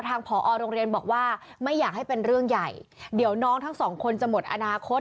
ผอโรงเรียนบอกว่าไม่อยากให้เป็นเรื่องใหญ่เดี๋ยวน้องทั้งสองคนจะหมดอนาคต